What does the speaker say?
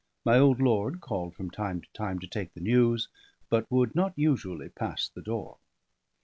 My old lord called from time to time to take the news, but would not usually pass the door.